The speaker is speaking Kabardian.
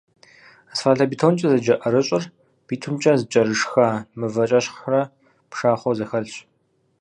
Асфальтобетонкӏэ зэджэ ӏэрыщӏыр битумкӏэ зэкӏэрышха мывэкӏэщхърэ пшахъуэу зэхэлъщ.